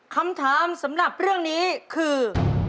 คำถามสำหรับเรื่องนี้คือ